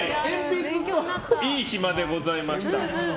いい暇でございました。